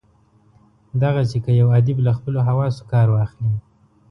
دغسي که یو ادیب له خپلو حواسو کار واخلي.